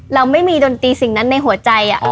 เราไม่มีดนตรีสิ่งนั้นในหัวใจ